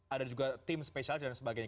ada juga tim spesial dan sebagainya